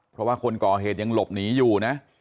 เพราะว่าคนก่อเหตุยังหลบหนีอยู่นะ